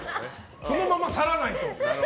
そのまま去らないと。